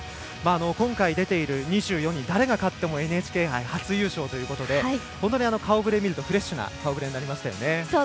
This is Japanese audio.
今回、出ている２４人、誰が勝ってもＮＨＫ杯初優勝ということで本当に顔ぶれを見るとフレッシュな顔ぶれになりましたよね。